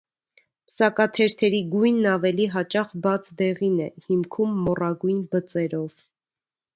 Պսակաթերթերի գույնն ավելի հաճախ բաց դեղին է՝ հիմքում մոռագույն բծերով։